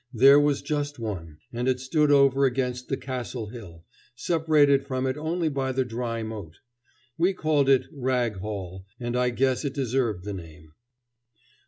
There was just one, and it stood over against the castle hill, separated from it only by the dry moat. We called it Rag Hall, and I guess it deserved the name.